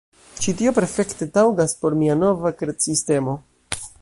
Ĉi tio perfekte taŭgas por mia nova kredsistemo